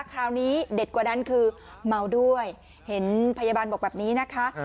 คราวนี้เด็ดกว่านั้นคือเมาด้วยเห็นพยาบาลบอกแบบนี้นะคะ